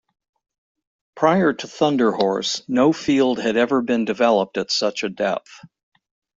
Prior to Thunder Horse, no field had ever been developed at such a depth.